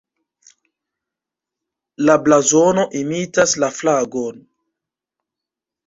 La blazono imitas la flagon.